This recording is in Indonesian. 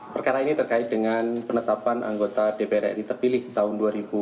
perkara ini terkait dengan penetapan anggota dprr terpilih tahun dua ribu sembilan belas dua ribu dua puluh empat